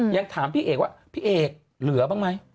ยังถามพี่เอกว่าพี่เอกเหลือบ้างไหม